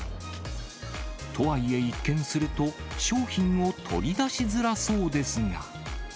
とはいえ一見すると、商品を取り出しづらそうですが。